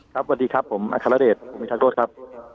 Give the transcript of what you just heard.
สวัสดีครับผมอัครเดชภูมิทักโรธครับ